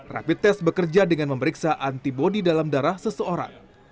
rapid test bekerja dengan memeriksa antibody dalam darah seseorang